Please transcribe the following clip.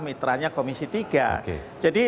mitranya komisi tiga jadi